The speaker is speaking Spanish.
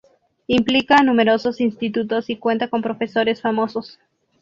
Implica a numerosos institutos y cuenta con profesores famosos.